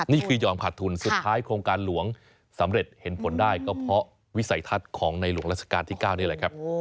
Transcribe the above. ยอมขาดทุนสุดท้ายโครงการหลวงสำเร็จเห็นผลได้ก็เพราะวิสัยทัศน์ของในหลวงราชการที่๙นี่แหละครับ